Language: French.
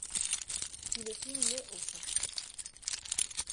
Il est inhumé au St.